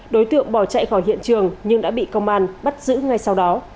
đối tượng bỏ chạy khỏi hiện trường nhưng đã bị công an bắt giữ ngay sau đó